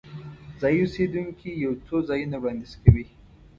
ځایي اوسیدونکي یو څو ځایونه وړاندیز کوي.